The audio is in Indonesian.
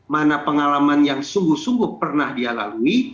mana pengalaman yang sungguh sungguh pernah dia lalui